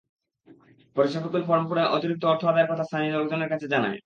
পরে শফিকুল ফরম পূরণে অতিরিক্ত অর্থ আদায়ের কথা স্থানীয় লোকজনের কাছে জানায়।